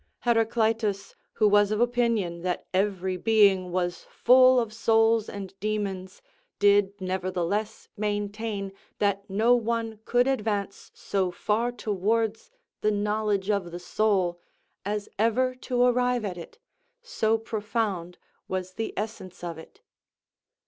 Heraclitus, who was of opinion that every being was full of souls and demons, did nevertheless maintain that no one could advance so far towards the knowledge of the soul as ever to arrive at it; so profound was the essence of it.